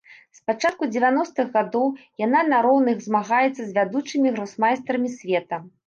З пачатку дзевяностых гадоў яна на роўных змагаецца з вядучымі гросмайстрамі света.